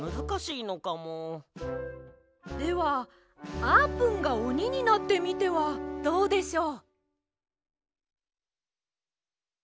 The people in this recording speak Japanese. ではあーぷんがおにになってみてはどうでしょう？